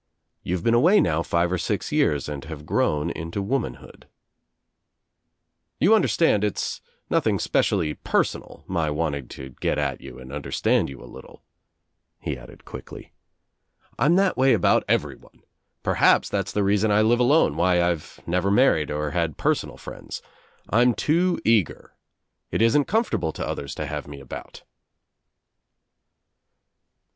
You've been away now five or six years and have grown into womanhood, "You understand it's nothing specially personal, my wanting to get at you and understand you a little," he added quickly. "I'm that way about everyone. Perhaps that's the reason I live alone, why I've never married or had personal friends. I'm too eager. It isn't comfortable to others to have me about."